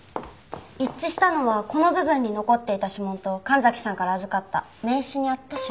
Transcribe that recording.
一致したのはこの部分に残っていた指紋と神崎さんから預かった名刺にあった指紋です。